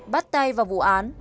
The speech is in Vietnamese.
bắt tay vào vụ án